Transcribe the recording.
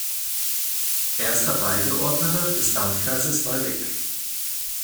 Erster Beigeordneter des Landkreises Waldeck.